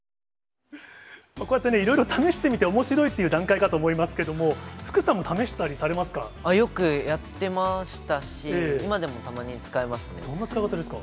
こうやっていろいろ試してみて、おもしろいっていう段階かと思いますけど、福さんも試したりされよくやってましたし、今でもどんな使い方ですか？